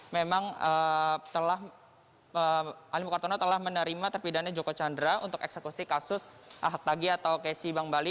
memang alimu kartono telah menerima terpidana joko chandra untuk eksekusi kasus ahak tagi atau kesi bang bali